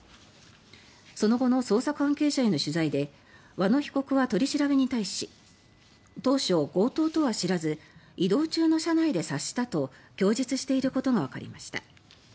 その後の捜査関係者への取材で和野被告は取り調べに対し当初、強盗とは知らず移動中の車内で察したと供述していることがわかりました。